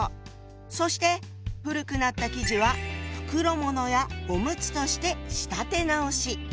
そして古くなった生地は袋ものやおむつとして仕立て直し。